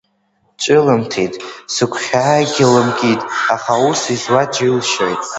Ҿылымҭит, сыгәхьаагьы лымкит, аха ус изуа џьылшьоит.